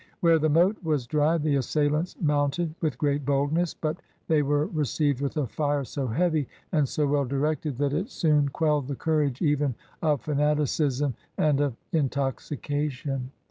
Where the moat was dry, the assailants mounted with great boldness; but they were received with a fire so heavy and so well di rected, that it soon quelled the courage even of fanaticism and of intoxication.